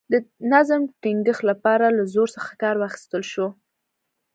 د نظم ټینګښت لپاره له زور څخه کار واخیستل شو.